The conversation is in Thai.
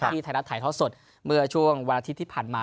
ในทางชายท้าวสดเมื่อช่วงวันอาทิตย์ที่ผ่านมา